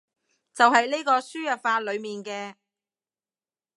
就係呢個輸入法裏面嘅